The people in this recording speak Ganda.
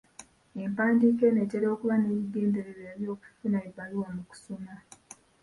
Empandiika eno etera okuba n'ebigendererwa by'okufuna ebbaluwa mu kusoma.